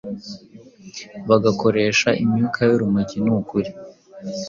bagakoresha imyuka y’urumogi nukuri